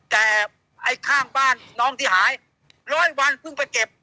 แต่ไอ้ข้างบ้านน้องที่หายร้อยวันเพิ่งไปเก็บ